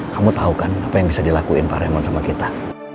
kamu tahu kan apa yang bisa dilakuin pak remon sama kita